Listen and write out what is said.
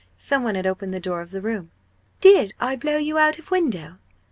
Some one had opened the door of the room. "Did I blow you out of window?"